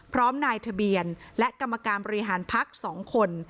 พร้อมนายทะเบียนและกรรมการบริหารพักสองคน